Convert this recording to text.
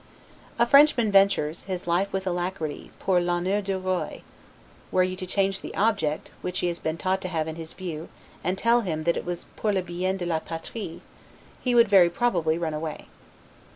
A Frenchman ventures, his life with alacrity 'pour l'honneur du Roi'; were you to change the object, which he has been taught to have in view, and tell him that it was 'pour le bien de la Patrie', he would very probably run away.